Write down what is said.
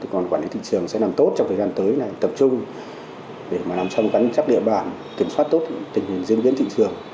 còn quản lý thị trường sẽ nằm tốt trong thời gian tới này tập trung để mà nằm trong các địa bản kiểm soát tốt tình hình diễn biến thị trường